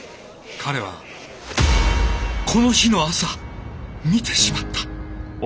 彼はこの日の朝見てしまった。